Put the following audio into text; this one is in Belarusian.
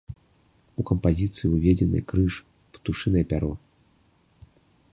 У кампазіцыю ўведзеныя крыж, птушынае пяро.